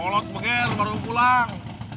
kolot begin baru pulang